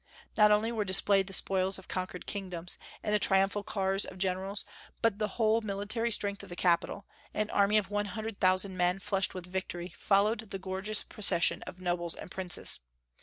Not only were displayed the spoils of conquered kingdoms, and the triumphal cars of generals, but the whole military strength of the capital; an army of one hundred thousand men, flushed with victory, followed the gorgeous procession of nobles and princes.